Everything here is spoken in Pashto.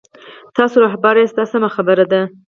تاسو رهبر یاست دا سمه خبره ده.